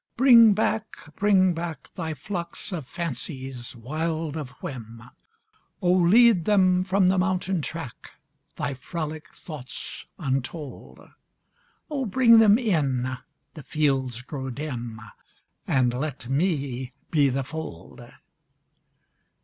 Bring back, bring back Thy flocks of fancies, wild of whim. Oh lead them from the mountain track Thy frolic thoughts untold. Oh bring them in the fields grow dim And let me be the fold.